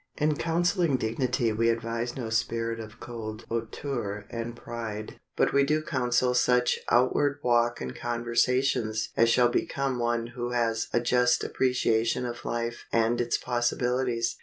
In counseling dignity we advise no spirit of cold hauteur and pride, but we do counsel such outward walk and conversations as shall become one who has a just appreciation of life and its possibilities.